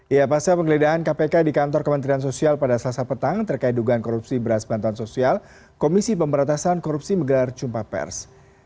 ya pasca penggeledahan kpk di kantor kementerian sosial pada selasa petang terkait dugaan korupsi beras bantuan sosial komisi pemberatasan korupsi menggelar jumpa pers